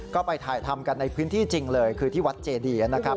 ก็ไปถ่ายทำกันในพื้นที่จริงเลยคือที่วัดเจดีนะครับ